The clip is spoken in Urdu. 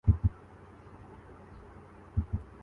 کھیت پر برسے گا